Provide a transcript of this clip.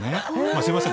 すいません